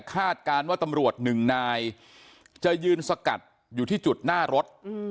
การว่าตำรวจหนึ่งนายจะยืนสกัดอยู่ที่จุดหน้ารถ